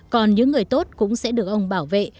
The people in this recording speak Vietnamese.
còn những người tốt cũng sẽ được ông bảo vệ